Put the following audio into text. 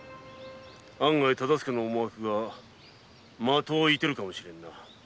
案外大岡の思惑が的を射てるかもしれぬな。